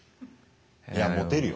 いやモテるよ。